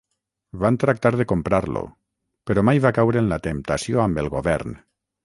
Van tractar de comprar-lo, però mai va caure en la temptació amb el govern.